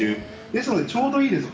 ですのでちょうどいいです。